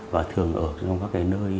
và thường ở trong các nơi